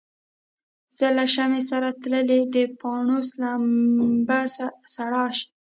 زه له شمعي سره تللی د پانوس لمبه سړه سي